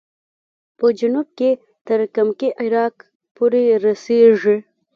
په جنوب کې تر کمکي عراق پورې رسېږي.